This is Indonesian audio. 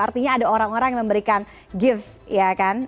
artinya ada orang orang yang memberikan gift ya kan